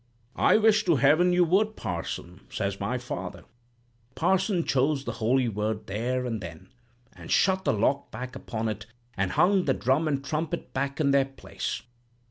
"'I wish to heaven you would, parson,' said my father. "The parson chose the holy word there and then, and shut the lock back upon it, and hung the drum and trumpet back in their place.